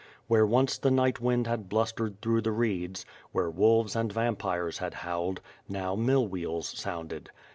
Where once the night wind had blustered through the reeds, where wolves and vampires had howled, now^ mill wheels sounded.